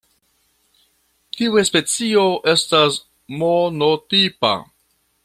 Tiu specio estas monotipa.